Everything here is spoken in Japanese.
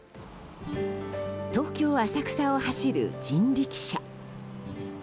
東京・浅草を走る人力車。